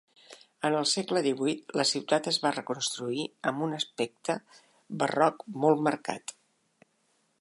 En el segle XVIII, la ciutat es va reconstruir amb un aspecte barroc molt marcat.